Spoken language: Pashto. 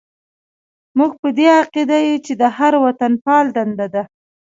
موږ په دې عقیده یو چې د هر وطنپال دنده ده.